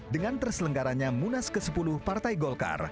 dengan terselenggaranya munas ke sepuluh partai golkar